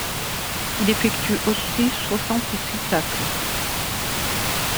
Il effectue aussi soixante-six tacles.